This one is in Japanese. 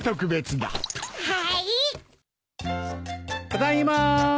ただいま。